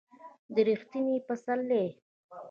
د ر یښتني پسرلي